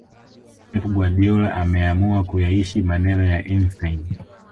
Pep Guadiola ameamua kuyaishi maneno ya Eistein